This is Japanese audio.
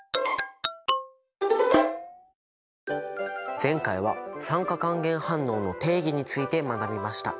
前回は酸化還元反応の定義について学びました。